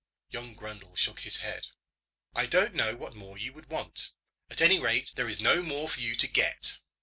Young Grundle shook his head. "I don't know what more you would want. At any rate, there is no more for you to get."